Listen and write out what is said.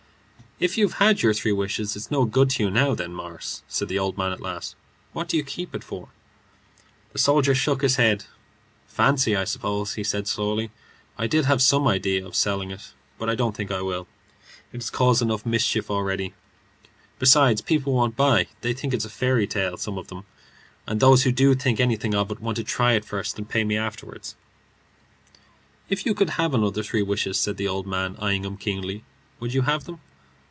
"If you've had your three wishes, it's no good to you now, then, Morris," said the old man at last. "What do you keep it for?" The soldier shook his head. "Fancy, I suppose," he said, slowly. "I did have some idea of selling it, but I don't think I will. It has caused enough mischief already. Besides, people won't buy. They think it's a fairy tale; some of them, and those who do think anything of it want to try it first and pay me afterward." "If you could have another three wishes," said the old man, eyeing him keenly, "would you have them?"